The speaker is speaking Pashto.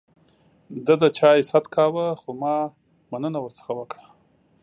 ده د چای ست کاوه ، خو ما مننه ورڅخه وکړه.